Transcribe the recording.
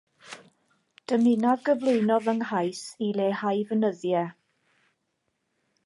Dymunaf gyflwyno fy nghais i leihau fy nyddiau.